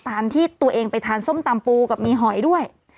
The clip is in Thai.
ที่ตัวเองไปทานส้มตำปูกับมีหอยด้วย